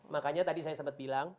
makanya tadi saya sempat bilang